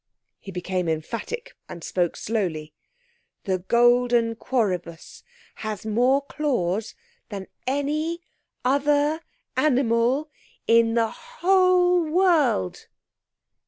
He became emphatic, and spoke slowly. 'The golden quoribus has more claws than any... other... animal... in the whole world!'